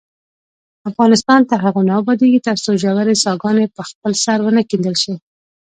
افغانستان تر هغو نه ابادیږي، ترڅو ژورې څاګانې په خپل سر ونه کیندل شي.